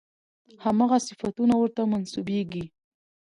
همغه صفتونه ورته منسوبېږي.